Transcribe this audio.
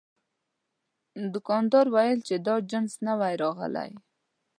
دوکاندار وویل چې دا جنس نوی راغلی.